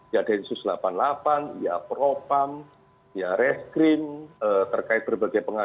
ya densus delapan puluh delapan ya propam ya reskrim terkait berbagai pengalaman